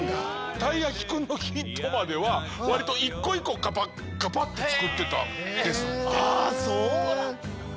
「たいやきくん」のヒットまでは割と一個一個カパッカパッて作ってたんですって。